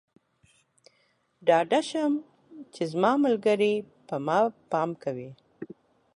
ډاډه شم چې زما ملګری پر ما پام کوي.